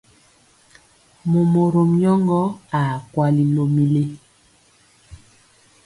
Momorom nyɔŋgɔ aa kwali lomili.